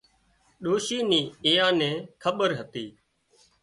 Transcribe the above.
ڏوشي نين ايئان نِي کٻير هتي